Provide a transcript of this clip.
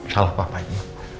salah papa ini